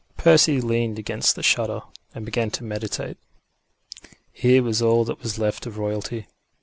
Percy leaned against the shutter, and began to meditate. Here was all that was left of Royalty.